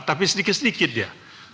tapi sedikit sedikit ya